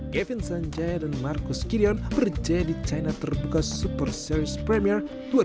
kevin sanjaya dan marcus gideon berjaya di china terbuka super series premier dua ribu dua puluh